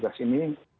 di salur pintu